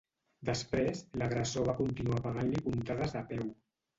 Després, l’agressor va continuar pegant-li puntades de peu.